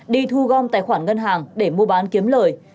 đi thu gom tài khoản ngân hàng để mua bán kiếm lời